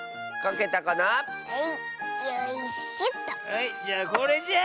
はいじゃあこれじゃ。